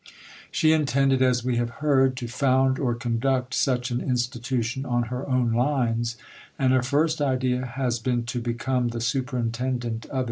She intended, as we have heard, to found or conduct such an Institution on her own lines, and her first idea had been to become the Superintendent of it herself.